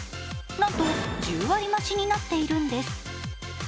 なんと１０割増しになっているんです。